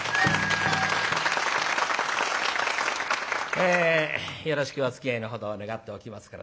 えよろしくおつきあいのほどを願っておきますけれども。